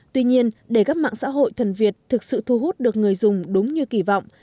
tuy nhiên để các mạng xã hội thuần việt thực sự thu hút được người dùng đúng như kỳ vọng